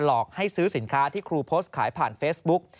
หลอกให้ซื้อสินค้าที่ครูโพสต์ขายผ่านเฟซบุ๊ก